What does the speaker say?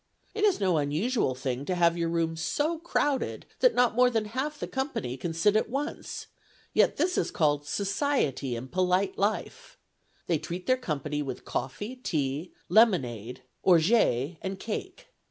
It is no unusual thing to have your rooms so crowded that not more than half the company can sit at once, yet this is called society and polite life. They treat their company with coffee, tea, lemonade, orgeat and cake.